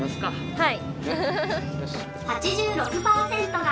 はい。